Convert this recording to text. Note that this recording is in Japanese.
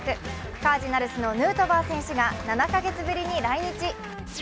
カージナルスのヌートバー選手が７か月ぶりに来日。